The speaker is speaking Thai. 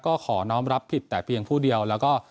ก็ขอน้องรับผิดแต่เพียงผู้เดียวแล้วก็